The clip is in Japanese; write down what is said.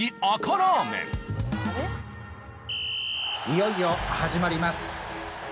いよいよ始まります。